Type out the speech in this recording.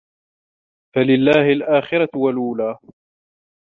فَلِلَّهِ الآخِرَةُ وَالأولى